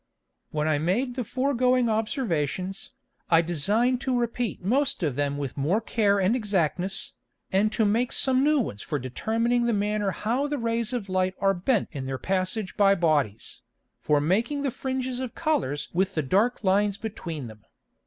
When I made the foregoing Observations, I design'd to repeat most of them with more care and exactness, and to make some new ones for determining the manner how the Rays of Light are bent in their passage by Bodies, for making the Fringes of Colours with the dark lines between them.